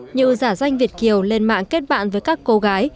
như giả danh việt kiều lên mạng kết bạn với các cô gái